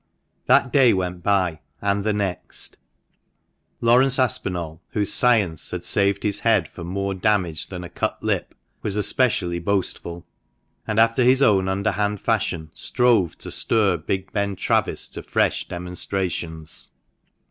That day went by, and the next. Laurence Aspinall, whose "science" had saved his head from more damage than a cut lip, was especially boastful ; and, after his own underhand fashion, strove to stir big Ben Travis to fresh demonstrations.